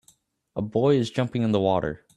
A boy is jumping in the water